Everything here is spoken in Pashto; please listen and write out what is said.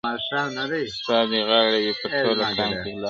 ستا دي غاړه وي په ټوله قام کي لکه٫